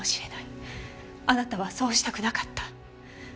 あなたはそうしたくなかった。